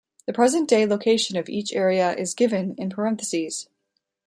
The present day location of each area is given in parenthesis.